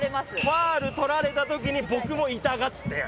ファウル取られた時に僕も痛がって。